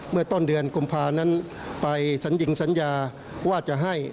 เมื่อต้นเดือนกุมภานั้นไปสัญญิงสัญญาว่าจะให้